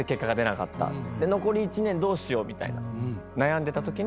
残り１年どうしようみたいな。